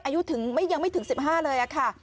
อายุถึงยังไม่ถึง๑๕เลยค่ะ